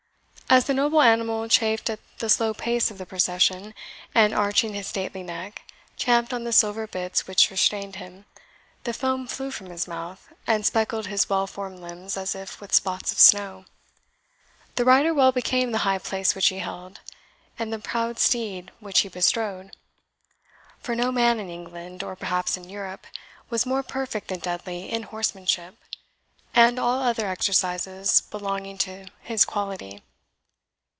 As the noble animal chafed at the slow pace of the procession, and, arching his stately neck, champed on the silver bits which restrained him, the foam flew from his mouth, and speckled his well formed limbs as if with spots of snow. The rider well became the high place which he held, and the proud steed which he bestrode; for no man in England, or perhaps in Europe, was more perfect than Dudley in horsemanship, and all other exercises belonging to his quality.